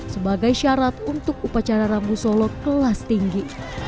sebagai syarat untuk upacara rambu solo kelas tinggi